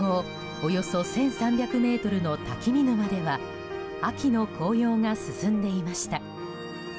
およそ１３００ｍの滝見沼では秋の紅葉が進んでいました。